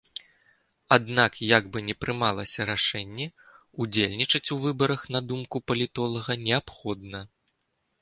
Аднак як бы ні прымалася рашэнне, удзельнічаць у выбарах, на думку палітолага, неабходна.